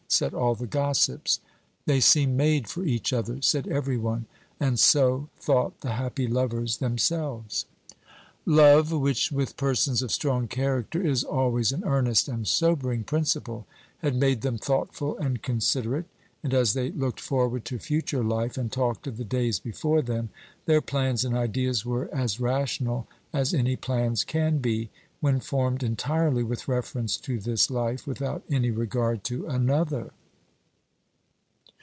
said all the gossips. "They seem made for each other," said every one; and so thought the happy lovers themselves. Love, which with persons of strong character is always an earnest and sobering principle, had made them thoughtful and considerate; and as they looked forward to future life, and talked of the days before them, their plans and ideas were as rational as any plans can be, when formed entirely with reference to this life, without any regard to another.